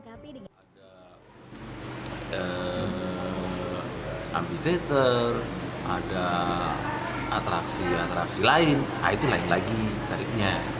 ada ambitator ada atraksi atraksi lain itu lain lagi tarifnya